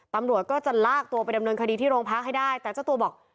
ตำรวจก็จะลากตัวไปดำเนินคดีที่โรงพักให้ได้แต่เจ้าตัวบอก